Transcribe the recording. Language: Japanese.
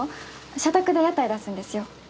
社宅で屋台出すんですよ。